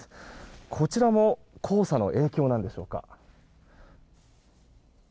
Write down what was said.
こちらも黄砂の影響なんでしょうか。